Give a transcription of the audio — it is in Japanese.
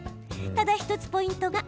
ただ１つポイントが。